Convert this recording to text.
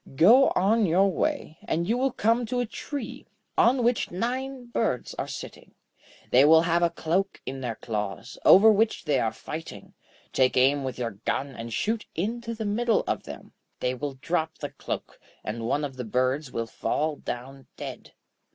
Go on your way, and you will come to a tree, on which nine birds are sitting. They will have a cloak in their claws, over which they are fighting. Take aim with your gun, and shoot into the middle of them. They will drop the cloak, and one of the birds will fall down dead.